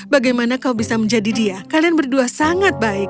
bagaimana kau bisa menjadi dia kalian berdua sangat baik